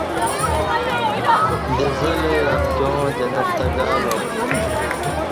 دزہ لہ امکیاں جنت تہ گالو